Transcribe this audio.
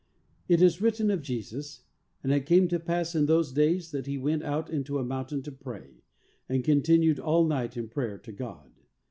It is written of Jesus, "And it came to pass in those days that He went out into a mountain to pray, and' continued all night in prayer to God."